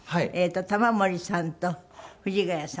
玉森さんと藤ヶ谷さん。